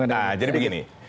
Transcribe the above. nah jadi begini